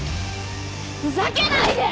ふざけないで！